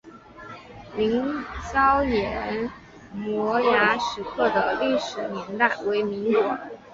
凌霄岩摩崖石刻的历史年代为民国。